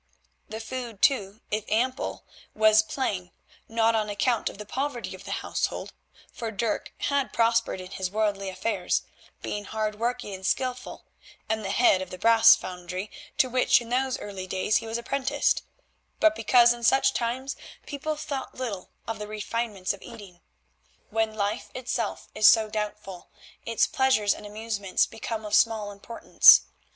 The food, too, if ample was plain, not on account of the poverty of the household, for Dirk had prospered in his worldly affairs, being hard working and skilful, and the head of the brass foundry to which in those early days he was apprenticed, but because in such times people thought little of the refinements of eating. When life itself is so doubtful, its pleasures and amusements become of small importance.